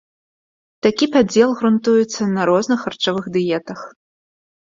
Такі падзел грунтуецца на на розных харчовых дыетах.